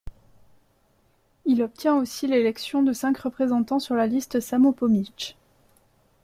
Il obtient aussi l'élection de cinq représentants sur la liste Samopomitch.